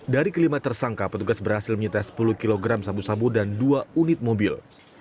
dari kelima tersangka petugas berhasil menyita sepuluh kg sabu sabu dan dua unit mobil